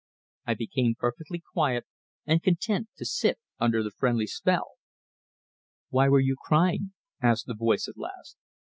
I became perfectly quiet, and content to sit under the friendly spell. "Why were you crying?" asked the voice, at last.